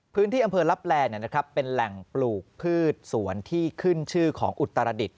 พื้นที่อำเภอลับแลเป็นแหล่งปลูกพืชสวนที่ขึ้นชื่อของอุตรดิษฐ